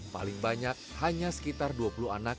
paling banyak hanya sekitar dua puluh anak